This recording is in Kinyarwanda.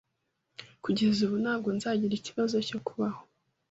kugeza ubu, ntabwo nzagira ikibazo cyo kubaho